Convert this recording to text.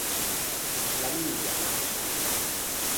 L’amiga.